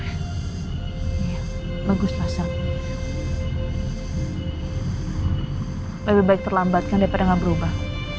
iya baguslah sah lebih baik terlambatkan daripada nggak berubah